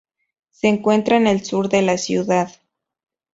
Se encuentra en el sur de la ciudad.